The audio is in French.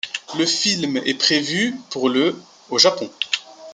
Le film est prévu pour le au Japon.